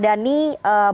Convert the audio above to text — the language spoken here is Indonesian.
ada direktur lingkar madani